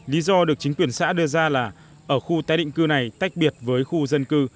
lý do được chính quyền xã đưa ra là ở khu tái định cư này tách biệt với khu dân cư